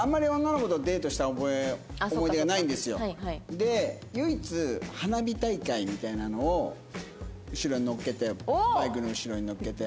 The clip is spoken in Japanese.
で唯一花火大会みたいなのを後ろに乗っけてバイクの後ろに乗っけて。